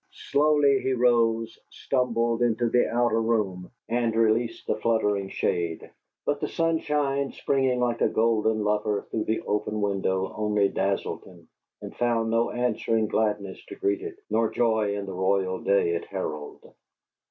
Slowly he rose, stumbled into the outer room, and released the fluttering shade; but the sunshine, springing like a golden lover through the open window, only dazzled him, and found no answering gladness to greet it, nor joy in the royal day it heralded.